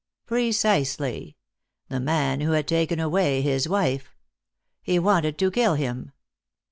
"Precisely. The man who had taken away his wife. He wanted to kill him."